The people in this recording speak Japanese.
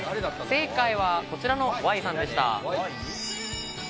正解はこちらのＹさんでした。